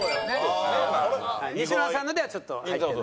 西村さんのではちょっと入ってない。